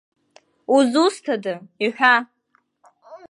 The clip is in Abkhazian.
Узусҭада, иҳәа?!